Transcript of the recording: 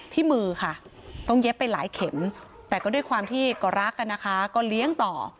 ที่มือค่ะต้องเย็บไปหลายเข็มแต่ก็ด้วยความที่ก็รักกันนะคะก็เลี้ยงต่อ